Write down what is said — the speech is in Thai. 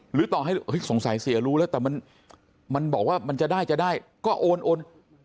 หรือต่อสงสัยว่ามันเสียดูแล้วแต่มันจะได้ก็โอน